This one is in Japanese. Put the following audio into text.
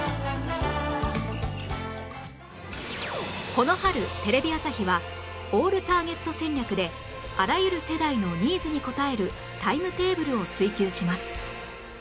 この春テレビ朝日はオールターゲット戦略であらゆる世代のニーズに応えるタイムテーブルを追求します